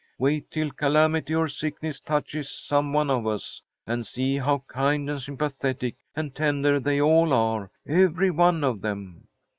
Wait till calamity or sickness touches some one of us, and, see how kind and sympathetic and tender they all are; every one of them."